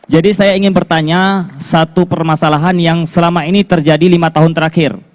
jadi saya ingin bertanya satu permasalahan yang selama ini terjadi lima tahun terakhir